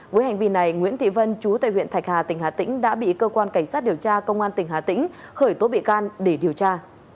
với hành vi này nguyễn thị vân chú tại huyện thạch hà tỉnh hà tĩnh đã bị cơ quan cảnh sát điều tra công an tỉnh hà tĩnh khởi tố bị can để điều tra